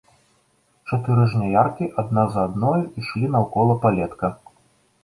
Чатыры жняяркі адна за адною ішлі наўкола палетка.